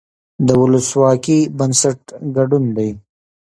د ولسواکۍ بنسټ ګډون دی